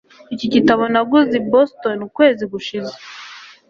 iki gitabo naguze i boston ukwezi gushize